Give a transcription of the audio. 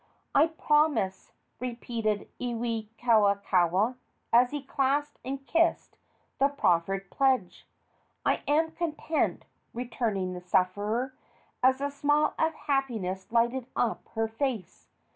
"I promise," repeated Iwikauikaua, as he clasped and kissed the proffered pledge. "I am content," returned the sufferer, as a smile of happiness lighted up her face.